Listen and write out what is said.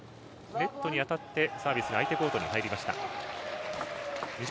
ネットに当たって相手コートに入りました。